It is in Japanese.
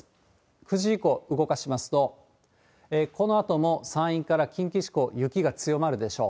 ９時以降、動かしますと、このあとも山陰から近畿地方、雪が強まるでしょう。